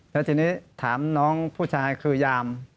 แล้วทีนี้ถามน้องผู้ชายคือยาม